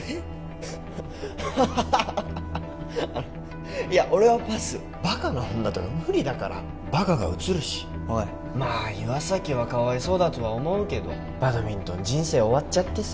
フッハハハハハあのいや俺はパスバカな女とか無理だからバカがうつるしおいまあ岩崎はかわいそうだとは思うけどバドミントン人生終わっちゃってさ